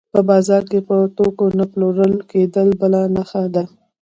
په بازار کې د توکو نه پلورل کېدل بله نښه ده